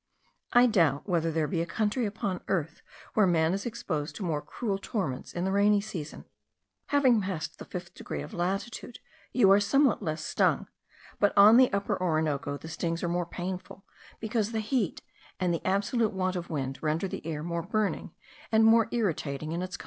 I doubt whether there be a country upon earth where man is exposed to more cruel torments in the rainy season. Having passed the fifth degree of latitude, you are somewhat less stung; but on the Upper Orinoco the stings are more painful, because the heat and the absolute want of wind render the air more burning and more irritating in its contact with the skin.